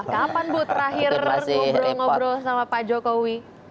kapan bu terakhir ngobrol ngobrol sama pak jokowi